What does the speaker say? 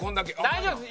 大丈夫！